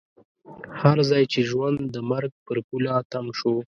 هر ځای چې ژوند د مرګ پر پوله تم شو.